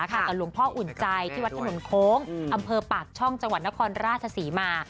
กับหลวงพ่ออุ่นใจที่วัดถนนโค้งอำเภอปากช่องจังหวัดนครราชศรีมา